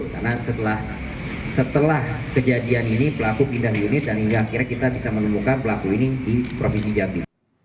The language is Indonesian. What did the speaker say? karena setelah kejadian ini pelaku pindah di unit dan hingga akhirnya kita bisa menemukan pelaku ini di provinsi jambi